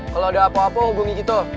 kalo ada apa apa hubungi gitu